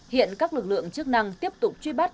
hiện các lực lượng chức năng tiếp tục truy bắt